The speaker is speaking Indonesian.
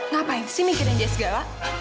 ngapain sih mikirin dia segala